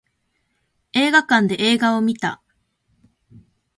映画館で映画を見た